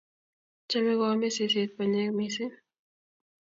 Chame koame seset mpanyek mising